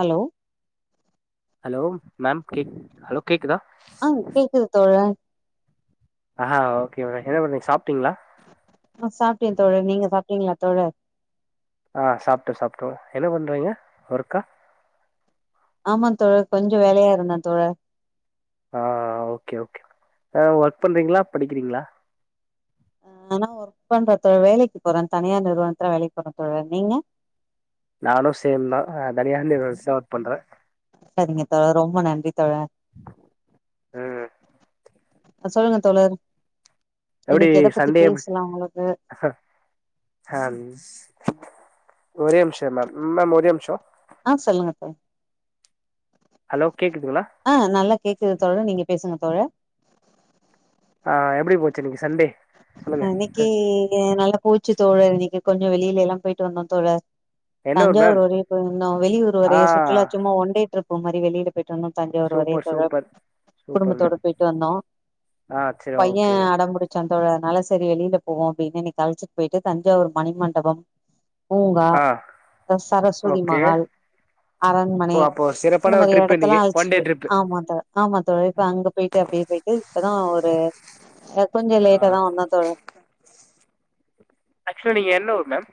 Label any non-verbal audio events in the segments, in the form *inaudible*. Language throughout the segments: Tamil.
ஹலோ ஹலோ மேம் கேக் ஹலோ கேக்குதா ஆ கேக்குது தோழ ஆஹா ஓகே மேடோ என்ன மேடம் சாப்ட்டீங்களா ஆ சாப்ட்டே தோழர் நீங்க சாப்ட்டீங்களா தோழர் ஆ சாப்ட்டே சாப்ட்டே என்ன பண்றீங்க ஒர்க்கா ஆமா தோழர் கொஞ்சோ வேலையா இருந்த தோழர் ஆ ஓகே ஓகே ஒர்க் பண்றீங்களா படிக்கிறீங்களா நா ஒர்க் பண்றே தோழர் வேலைக்கு போறே தனியார் நிறுவனத்துல வேலைக்கு போறே தோழர் நீங்க நானு சேம் தா ஆ தனியார் நிறுவனத்தல ஒர்க் பண்றே செரிங்க தோழர் ரொம்ப நன்றி தோழர் ம் சொல்லுங்க தோழர் இன்னிக்கு எத பத்தி பேசலா உங்களுக்கு அம் ஒரே நிமுஷோ மேம் மேம் ஒரே நிமுஷோ ஆ சொல்லுங்க தோழர் ஹலோ கேக்குதுங்கலா ஆ நல்லா கேக்குது தோழர் நீங்க பேசுங்க தோழர் ஆ எப்டி போச்சு இன்னைக்கு சண்டே சொல்லுங்க இன்னைக்கு நல்ல போச்சு தோழர் இன்னைக்கு கொஞ்சோ வெளியிலல்லா போயிட்டு வந்தோ தோழர் என்ன ஊர் மேம் தஞ்சாவூர் வரயு போனோ வெளியூர் ஆ வர சுற்றுலா சும்மா ஒண்டே ட்ரிப்பு மாரி வெளியில போயிட்டு வந்தோ தஞ்சாவுர் வரயு சூப்பர் தோழர் சூப்பர் சூப்பர் மேம் குடும்பத்தோட போயிட்டு வந்தோ ஆ செரி ஓகே சந்தோழனால செரி வெளியில போவோ அப்டின்னு இன்னைக்கு அழச்சிட்டு போயிட்டு தஞ்சாவூர் மணிமண்டபம் பூங்கா ஆ அப்றோ சரஸ்வதி ஓகே மஹால் அரண்மனை ஓ அப்போ இந்த சிறப்பான ஒரு மாதிரி ட்ரிப் இடத்தல்லா இன்னைக்கு ஒன் டே அழிச்சுரு ட்ரிப் ஆமா தோழர் ஆமா தோழர் அங்க போயிட்டு அப்டியே போயிட்டு இப்பதா ஒரு கொஞ்சோ ஆ லேட்டா தா வந்த தோழ் ஆக்ஸலி நிங்க என்ன ஊர் மேம்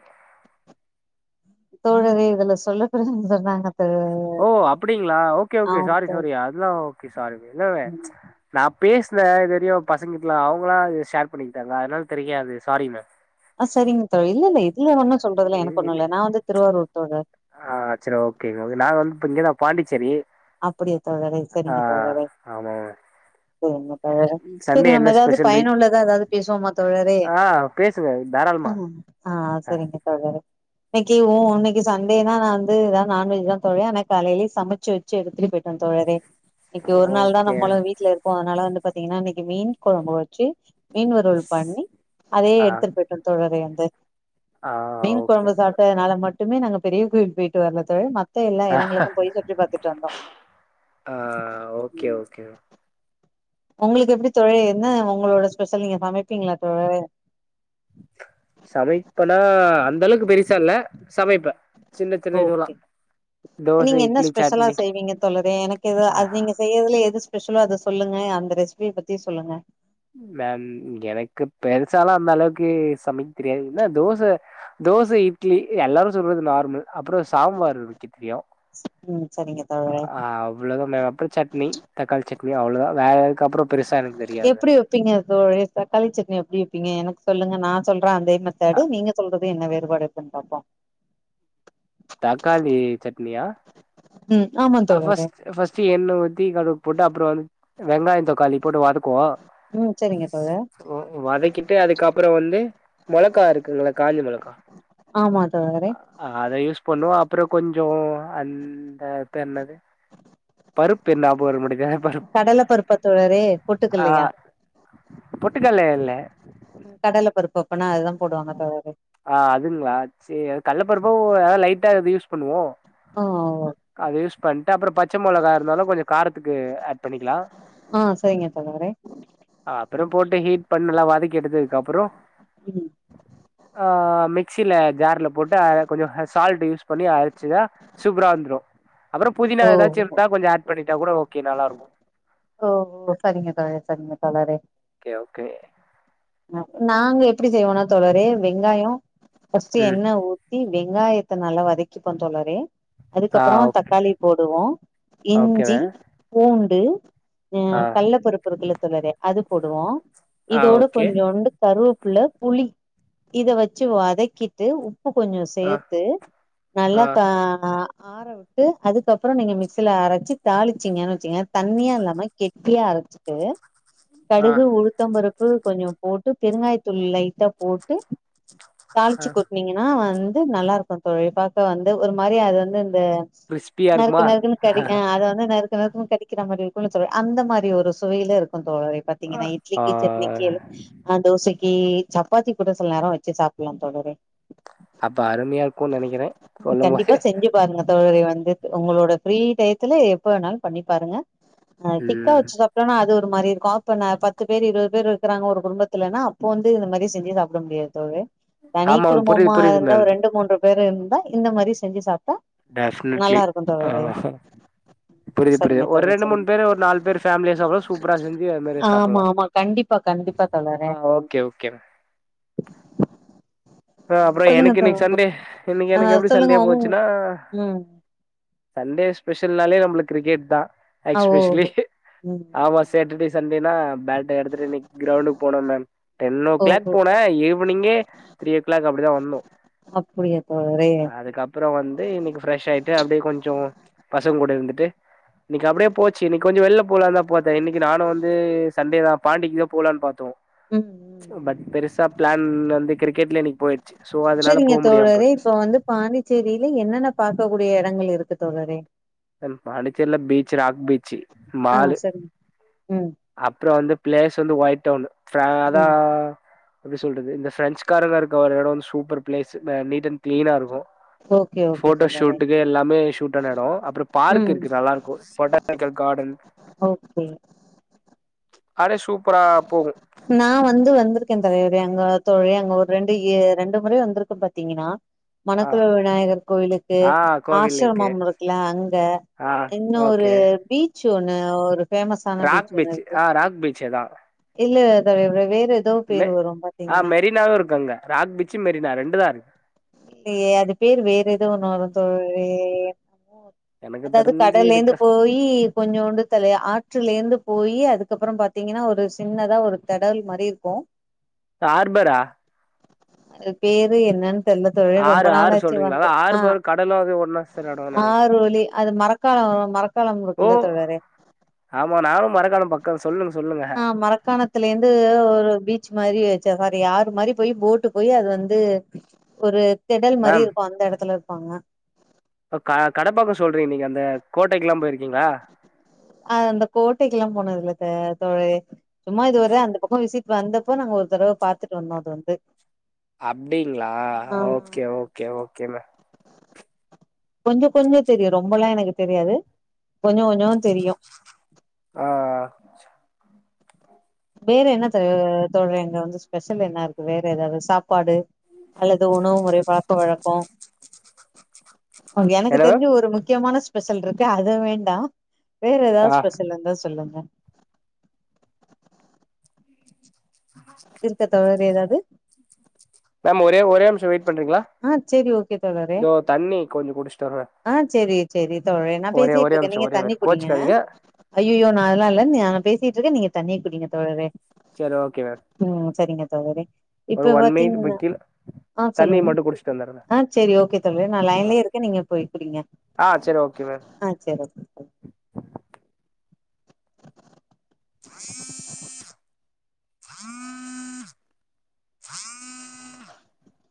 தோழரே இதுல சொல்ல கூடாதுனு சொன்னாங்க தோழா ஓ அப்டிங்களா ஓகே ஓகே ஆமா சாரி தோழா சாரி அதெல்லா ஓகே சாரி இல்லல்ல ம் நா பேசுன இது தரியு பசங்கிட்டலா அவங்களா ஷேர் பண்ணிக்கிட்டாங்க அதனால தெரியாது சாரி‌ங்க ஆ சரிங்க தோழி இல்லல இதுல ஒன்னு சொல்றதுல்ல எனக்கு ஒன்னு இல்ல நா வந்து திருவாரூர் தோழர் ஆ சேர் ஓக்கேங்க நா வந்து இப்ப இங்கதா பாண்டிச்சேரி அப்டியா தோழரே ஆ ஆமாமா என்னதவர ப்ப நம்ம ஏதாது வீக் பயனுள்ளதா ஏதாவது பேசுவோமா தோழரே ஆ பேசுங்க ஆ தாராளமா ஆ சரிங்க தோழரே இன்னிக்கு ஓ இன்னிக்கு சண்டே தா நா வந்து யேதா நான்வெஜ் தா தோழி ஆன காலையிலய சமைச்சு ச்சு எடுத்துட்டு போயிட்டோ தோழரே இன்னிக்கு ஒரு நாள் தா ஓகே நம்மளு வீட்ல இருக் அதனால வந்து பாத்தீங்கன்னா இன்னிக்கு மீன் கொழம்பு வெச்சு மீன் வருவள் பண்ணி அதே ஆ எடுத்துட்டு போய்ட் தோழரே அந்த ஆ மீன் ஓகே கொழம்பு சாப்ட்டதுனால மட்டு எப்பவுமே நாங்க பெரிய கோயில் போயிட்டு வரதோட மத்த எல்லா யெடங்களுக்கு போய் சுத்தி பாத்துட்டு வந்தோ ஆ ஓக்கே ஓக்கே ஓ உங்களுக்கு எப்டி தோழரே என்ன உங்களோட ஸ்பெஷல் நீங்க சமைப்பீங்களா தோழரே சமைப்பனா அந்தளவுக்கு பெருசா இல்ல சமைப்ப சின்ன சின்ன ஓகே இதுல்லா நீங்க என்ன ஸ்பெஷலா செய்வீங்க தோழரே எனக்கு எதா ஆ அது நீங்க செய்யறதுல எது ஸ்பெஷலோ அத சொல்லுங்க அந்த ரெசிபிய பத்தி சொல்லுங்க மெம் எனக்கு பெருசாலா அந்த அளவுக்கு சமைக்க தெரியாது என்ன தோச தோச இட்லி எல்லாரு சொல்றது நார்மல் அப்றோ சாம்பார் வெக்க தெரியு ம் சரிங்கத் ஆ அவ்வளவுதா மே அப்றோ சட்னி தக்காளிசட்னி அவ்வளவுதா வேற எதுக்கு அப்றோ பெருசா எனக்குது எப்டி வெப்பீங்க தோழரே தக்காளி சட்னி எப்டி வெப்பீங்க எனக்கு சொல்லுங்க நா சொல்ற அதே மெத்தேடு நீங்க சொல்றது என்ன வேறுபாடு இருக்குன்னு பாப்போ தக்காளி சட்னியா ம் ஆமாத் அ ஃபர்ஸ்ட் ஃபர்ஸ்ட் எண்ண ஊத்தி கடுகு போட்டு அப்புறோ வந்து வெங்காயோ தக்காளி போட்டு வதக்குவோ ம் சரிங்க தோழா ஓ வதக்கிட்டு அதுக்கப்புறோ வந்து மொளக்கா இருக்குங்கள காஞ்ச மொளக்கா ஆமா தோழரே அத யூஸ் பண்ணுவோஅப்றோ கொஞ்சோ அந்த தெர்ல அது பருப்பு என்னா போர முடியது அதுதான பருப்பு கடலபருப்பா தோழரே பொட்டுக்கல்லயா பொட்டுக்கல்ல இல்ல கடலபருப்பு அப்பனா அதுதா போடுவாங்க தோழரே ஆ அதுங்களா சே அது கள்ள பருப்பு ஏது லைட்டாது யூஸ் பண்ணுவோ ஓ அது யூஸ் பண்ணிட்டு அப்றோ ப பச்சைமொளகா இருந்தாலு கொஞ்சோ காரத்துக்கு ஆட் பண்ணிக்கலா ஆ சரிங்க தோழரே அப்புறோ போட்டு ஹீட் பண்ண நல்லா வதக்கி எடுத்துக்குட் அப்றோ ம் ஆ மிக்சில ஜார்ல போட்டு அ கொஞ்சோ ஹ சால்ட் யூஸ் பண்ணி அரச்சுதா சூப்பரா வரு ப்ரோ அப்புறோ புதினா ஓ ஏதாச்சு இருந்தா கொஞ்சோ ஆட் பண்ணிட்டா கூட ஓக்கே நல்லாருக்கு ஓ சரிங்க தோழரே சரிங்க தோழரே ஓக்கே ஓக்கே நாங்க எப்டி செய்வோனா தோழரே வெங்காயோ ஃபர்ஸ்ட் ம் எண்ண ஊ த்தி வெங்காயத்த நல்லா வதக்கிப்போ தோழரே ஆ அதுக்கப்புறோ தக்காளி போடுவோ ஓகேங்க இஞ்சி பூண்டு ஆ ம் கள்ளபருப்பு இருக்குள்ள தோழரே அது போடுவோ ஆ இதோடு ஓகே தொண்டு கருவப்புல்ல புளி இத வச்சி வதக்கிட்டு உப் உப்பு கொஞ்ச ஆ சேத்து ஆ நல்லா கா ஆற விடு ட்டு அதுக்கப்றோ நீங்க மிக்சில அரச்சி தாளிச்சீங்கனு வச்சிங்கன் தண்ணியா இல்லாம கெட்டியா அரச்சி ட்டு ஆ கடுகு உளுத்தம்பருப்பு கொஞ்சம் போட்டு பெருங்காய தூள் லைட்டா போட்டு ஆ தாளிச்சி கொட்டுனீங்கனா வந்து நல்லா இருக்கு தோழி பாக்க வந்து ஒரு மாரி அது வந்து இந்த கிறிஸ்பியா இருக்குமா நறுக்கு நறுக்குனு கடி ஆ அதா நறுக்கு நறுக்குனு கடிகர மாரி இருக்கு தோழிஅந்த மாரி ஒரு சுவையில இருக்கு தோழரே ஆ பாத்தீங்கனா இட்லிக்கி சட்னிக்கி கேளு ஆ தோசைக்கி சப்பாத்தி கூட சில நேரம் வச்சி சாப்ட்லா தோழரே அப்ப அருமையாருக்குன் நனைக்கிற சொல்லு கண்டிப்பா போதே செஞ்சு பாருங்க தோழரே வந்து உங்களோட ஃப்ரீ டையத்துல எப்ப வேணாலு பண்ணி பாருங்க ஆ திக்கா ம் வச்சி சாப்டோனா அது ஒரு மாரி இருக்கு அப்போ பத்து பேரு இருவது பேரு இருக்குறாங்கா ஒரு குடும்பத்துலனா அப்போ வந்து இந்த மாரி செஞ்சி சாப்ட முடியாது தோழரே தனி ஆமா புரியுது குடும்பமா புரியுது இருந்தா மேம் ஒரு ரெண்டு மூன்று பேர் இருந்தா இந்த மாரி செஞ்சி சாப்ட்டா டெஃப்னட்லி நல்லா இருக்கு தோழரே பறவஹ புரிது புரிது சரிங்க ஒரு தோழி ரெண்டு மூணு சரிங்க பேரு ஓரு நாலு பேர் பேமிலியா சாப்டு சூப்பரா செஞ்சி அது மாரியே ஆமா சாப்ட்லா ஆமா கண்டிப்பா கண்டிப்பா தோழரே ஓகே ஆ அப்புற சொல்லுங்க எனக் தோ இன்னக் சண்டே இன்னக் ஆ எனக் எப்டி சண்டே சொல்லுங்க உங் போச்சினா ம் சண்டே ஸ்பெஷல்னாலே நம்ம கிரிக்கெட் தா ஆ ஓ எக்ஸ்பெஷலி ம் ஆமா சேட்டடே சண்டேனா பேட்ட எடுத்துட்டு இன்னக்கி கிரௌண்டுக்கு போனோ மேம் டென் ஓ கிளாக் ஓஹோ போன ஈவினிங்கே த்ரீ ஓ கிளாக் அப்டிதா வந்தோ அப்டியா தோழரே அதுக்கப் அப்றோ வந்து இன்னக்கி ஃப்ரெஷ் ஆயிட்டு அப்டியே கொஞ்செ பசங்க கூட இருந்துட்டு இன்னக்கி அப்டியே போச்சி இன்னக்கி கொஞ்சம் வெளில போலா தா பாத்த இன்னக்கி நானு வந்து சண்டே தா பாண்டிக் தா போலான் பாத்தோ ம் சோ ம் ம் பட் பெருசா பிளான் வந்து கிரிக்கெட்ல இன்னக் போயிடுச்சி சோ அதனால போ முடியாம போயிச் சோ வந்து பாண்டிச்சேரில என்னென்ன பார்க்க கூடிய எடங்கள் இருக்கு தோழரே பாண்டிச்சேர்ல பீச் ராக் பீச்சி ஆ செரிங்க அப்ரோ வந்து பிளேஸ் வந்து ஒயிட் டவு ம் அதான் எப்டி சொல்றது இந்த பிரரெஞ்சுகாரங்க இருக்க ஒரு எடோ வந்து சூப்பர் பிளேஸ் நீட் அண் கிளீனா இருக்கு ஓகே ஓகே போட்டோ தோழரே ஷூட்டுக்கு எல்லாமே ஷூட்டான எடோ அப்புற ம் பார்க் இருக்கு நல்லா இருக்கு போட்டா பொட்டானிக்கல் கார்டன் ஓகே கர சூப்பரா போது நான் வந்து வந்திருக்கேன் தலைவரே எங்க தோழ்ரே அங்க ஒரு ரெண்டு எ ரெண்டு முறை வந்திருக்க பாத்தீங்குனா ஆ மணக்குல விநாயகர் கோயிலுக்கு ஆ கோவில் இருக்கு ஆஸிரமம் இருக்குல அங்க ஆ இன்னொரு ஓகே பீச் ஒண்ணு ஒரு ஃபேமஸ்சான பீச் ஒண்ணு இருக்கு ராங் பீச் அதா இல்ல தலைவரே வேற ஏதோ மெ பேரு வரு ஆ பாத்தீங்கன்னா மெரினாவு இருக்கு அங்க ராக் பீச்சி மெரினா ரெண்டு தா இருக்கு இல்லயே அது பேர் வேற ஏதோ ஒண்ணு வருதே எனக்கு அதாவது தெரிஞ்சு கடல்லேந்து இதுக்கு போயி ஈ கொஞ்சோண்டு தல ஆற்றிலேந்து போயி அதுக்கப்ரோ பாத்தீங்கனா ஒரு சின்னதா ஒரு தெடல் மாரி இருக்கு ஹார்பரா அது பேரு என்னன் இல்ல தோழரே ரொம்ப ஆறு ஆறு நாளாச்சு சொல்றீங்களா வந்து அதா ஆ ஆறுபர் கடலு அது ஒன்னா சேர எடோனு நெனைக்கிறே ஆரோலி அது மரக் க்கலா மரக்கலம் ஓ இருக்குல தோழரே ஆமா நானு மரக்காலோ பக்கோ சொல்லுங் சொல்லுங்க ஆ மரக்காணத்துல இர்ந்து ஒரு பீச்சு மாறி வச்ச மாரி ஆறு மாரி போயி போட்டு போயி அது வந்து ஒரு திடல் மாரி மேம் இருக்கு அந்த எடத்துல இருப்பாங்க இப்ப கா கடப்பக்கோ சொல்றீங்க நீங்க அந்த கோட்டைக்குலா போயிருக்கீங்ளா ஆ அந்த கோட்டைக்குலா போனதுல்ல இப்ப தோழரே சும்மா இதுவர அந்த பக்கோ விசிட் வந்தப்ப நாங்க ஒரு தடவ பாத்துட்டு வந்தோ அது வந்து அப்டிங்ளா ஆ ஓகே ஓகே ஓகேங்க கொஞ்சோ கொஞ்சோ தெரியு ரொம்பலா எனக்கு தெரியாது கொஞ்சோ கொஞ்சோ தெரியு ஆ வேற என்ன த தோழரே அங்க வந்து ஸ்பெஷல் என்ன இருக்கு வேற எதாவ்து சாப்பாடு அல்லது உணவு முறை பழக்க வழக்கோ அங்க எனக்கு என்ன மேம் தெரிஞ்சு ஒரு முக்கியமான ஸ்பெஷல்ட்ருக்கு அது வேண்டா வேற எதாது ஆ ஸ்பெஷல் இர்ந்தா சொல்லுங்க இருக்கா தோழரே எதாவ்து மேம் ஒரே ஒரே நிம்ஷோ வெய்ட் பண்றீங்ளா ஆ சேரி ஓகே தோழரே தண்ணி கொஞ்சோ குடிஸ்ட்டு வர ஆ சேரி சேரி தோழரே நான் பேசிட்ருக்கே நிமிஷோ நீங்க ஒரே தண்ணி நிமிஷோ குடிங்க கோச்சுக்காதீங்க ஐயயோ நான் அதுலா இல்ல நான் பேசிட்ருக்க நீங்க தண்ணி குடிங்க தோழரே செரி ஓகேங்க ம் சரிங்க தோழரே அது இப்ப ஒன்னே இது பாத்தீங்கன்னா பத்திலா ஆ சொல்லுங்க ஆ சேரி ஓகே தோழரே நான் ஆ லைன்லயே இருக்க நீங்க போய் குடிங்க ஆ சேரி ஓகேங்க ஆ சேரி ஓகே பாய் ஆ *inaudible* ஆஹ் *inaudible* *inaudible*